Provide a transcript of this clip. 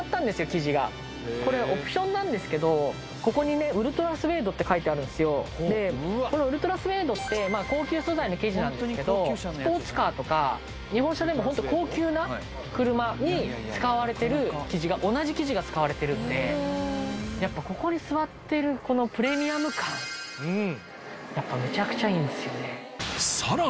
生地がこれオプションなんですけどここにねウルトラスエードって書いてあるんすよこのウルトラスエードって高級素材の生地なんですけどスポーツカーとか日本車でもホント高級な車に使われてる生地が同じ生地が使われてるんでやっぱここに座っているこのプレミアム感やっぱめちゃくちゃいいんですよね